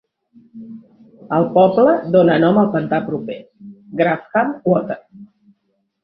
El poble dóna nom al pantà proper, Grafham Water.